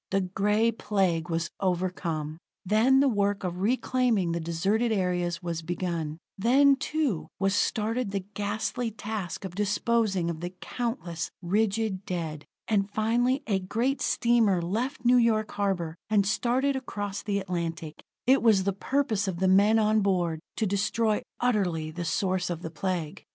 The Gray Plague was overcome. Then the work of reclaiming the deserted areas was begun; then, too, was started the ghastly task of disposing of the countless, rigid dead. And finally, a great steamer left New York harbor, and started across the Atlantic. It was the purpose of the men on board to destroy utterly the source of the Plague.